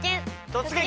「突撃！